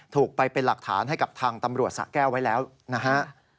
ถูกไปเป็นหลักฐานให้กับทางตำรวจสะแก้วไว้แล้วนะฮะ